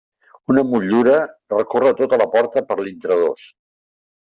Una motllura recorre tota la porta per l'intradós.